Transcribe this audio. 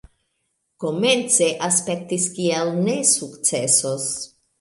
Komence aspektis kiel ne sukcesos